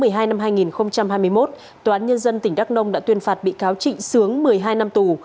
trước đó vào cuối tháng một mươi hai năm hai nghìn hai mươi một toán nhân dân tỉnh đắk nông đã tuyên phạt bị cáo trịnh sướng một mươi hai năm tù